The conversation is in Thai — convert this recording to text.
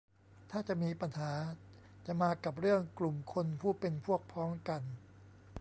ถ้าจะมีปัญหาจะมากับเรื่องกลุ่มคนผู้เป็นพวกพ้องกัน